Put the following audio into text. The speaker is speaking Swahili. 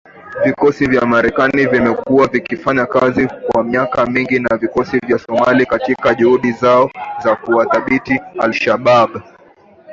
Vikosi vya Marekani vimekuwa vikifanya kazi kwa miaka mingi na vikosi vya Somalia katika juhudi zao za kuwadhibiti al-Shabaab